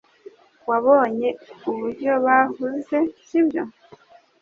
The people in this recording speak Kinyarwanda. Wabonye uburyo bahuze sibyo